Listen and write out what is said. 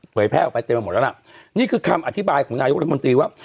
แพร่ออกไปเต็มไปหมดแล้วล่ะนี่คือคำอธิบายของนายกรัฐมนตรีว่า